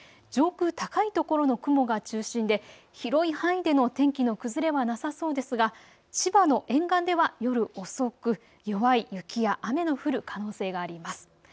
上空高いところの雲が中心で広い範囲での天気の崩れはなさそうですが千葉の沿岸では夜遅く弱い雪や雨の降る可能性があります。